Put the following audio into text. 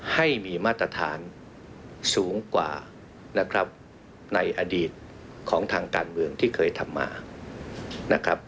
ให้มีมาตรฐานสูงกว่านะครับในอดีตของทางการเมืองที่เคยทำมานะครับ